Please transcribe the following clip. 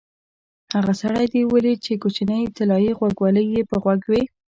هغه سړی دې ولید چې کوچنۍ طلایي غوږوالۍ یې په غوږ وې؟